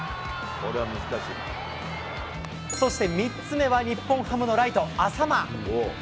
そして、３つ目は日本ハムのライト、淺間。